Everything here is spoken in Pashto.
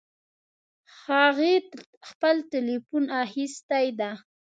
هغې خپل ټیلیفون اخیستی ده